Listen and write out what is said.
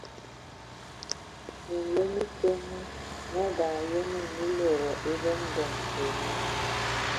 Minlo mi te e mi mi adaŋ yene, mi lodo e vom ndyɛn o nə.